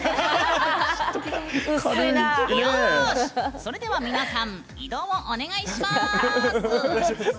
それでは皆さん移動をお願いします。